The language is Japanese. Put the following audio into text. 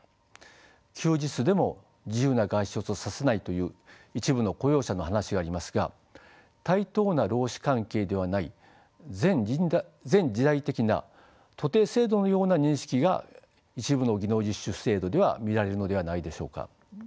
休日でも自由な外出をさせないという一部の雇用者の話がありますが対等な労使関係ではない前時代的な徒弟制度のような認識が一部の技能実習制度では見られるのではないでしょうか。